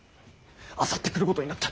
あさって来ることになった。